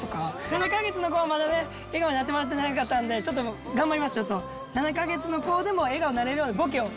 ７か月の子はまだね笑顔になってもらってなかったんでちょっと頑張ります。